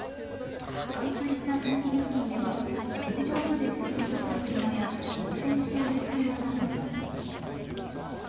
冠水した踏切付近では天井まで水没した車や横転している車なども。